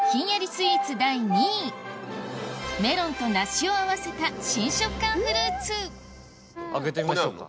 スイーツ第２位メロンと梨を合わせた新食感フルーツ開けてみましょうか。